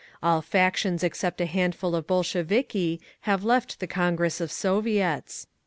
All factions except a handful of Bolsheviki have left the Congress of Soviets.